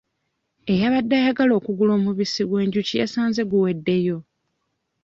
Eyabadde ayagala okugula omubisi gw'enjuki yasanze guweddeyo.